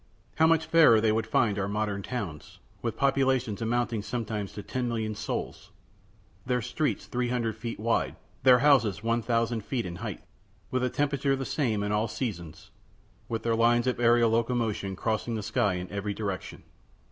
How much fairer they would find our modern towns, with populations amounting sometimes to 10,000,000 souls; their streets 300 feet wide, their houses 1000 feet in height; with a temperature the same in all seasons; with their lines of a├½rial locomotion crossing the sky in every direction!